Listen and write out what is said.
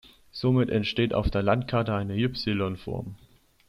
Somit entsteht auf der Landkarte eine Ypsilon-Form.